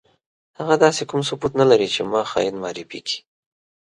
هغه داسې کوم ثبوت نه لري چې ما خاين معرفي کړي.